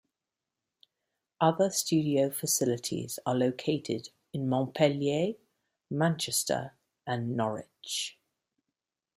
Other studio facilities are located in Montpelier, Manchester and Norwich.